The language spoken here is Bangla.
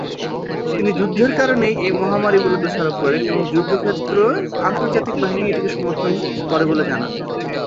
তিনি যুদ্ধের কারণেই এই মহামারী বলে দোষারোপ করেন এবং যুদ্ধক্ষেত্রে আন্তর্জাতিক বাহিনী এটিকে সমর্থন করে বলে জানান।